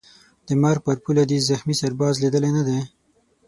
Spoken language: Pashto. د مرګ پر پوله دي زخمي سرباز لیدلی نه دی